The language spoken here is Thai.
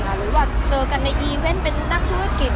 หรือว่าเจอกันในอีเวนต์เป็นนักธุรกิจ